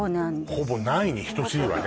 ほぼないに等しいわね